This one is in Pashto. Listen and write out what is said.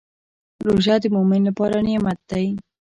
روژه د مؤمن لپاره نعمت دی.